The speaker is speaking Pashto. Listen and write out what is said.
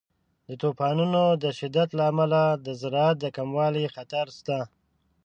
د طوفانونو د شدت له امله د زراعت د کموالي خطر شته.